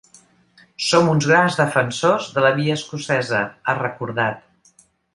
Som uns grans defensors de la via escocesa, ha recordat.